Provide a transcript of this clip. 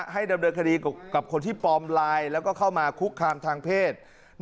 ให้ดำเนินคดีกับคนที่ปลอมไลน์แล้วก็เข้ามาคุกคามทางเพศ